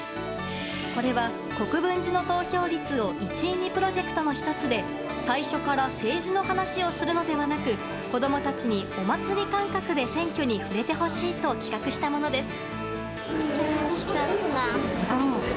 これは、国分寺の投票率を１位にプロジェクトの１つで最初から政治の話をするのではなく子供たちにお祭り感覚で選挙に触れてほしいと企画したものです。